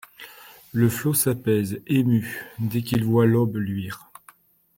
Le flot s'apaise, ému, dès qu'il voit l'aube luire.